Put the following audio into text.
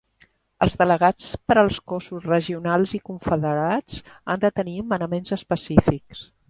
Els delegats per als cossos regionals i confederats han de tenir manaments específics.